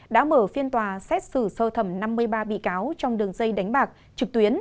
đã mở phiên tòa xét xử sơ thẩm năm mươi ba bị cáo trong đường dây đánh bạc trực tuyến